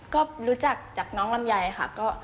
ก็รู้จักจากน้องลำไยค่ะ